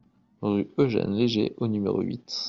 Rue Eugène Léger au numéro huit